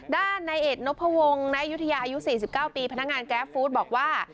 ด้านในเอกนพวงนายุทยาอายุ๔๙ปีพนักงานแก๊สฟู้ดบอกว่า